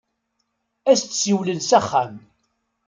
Ad as-d-siwlen s axxam.